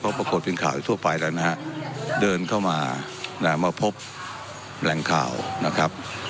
ปรากฏเป็นข่าวทั่วไปแล้วนะฮะเดินเข้ามามาพบแหล่งข่าวนะครับ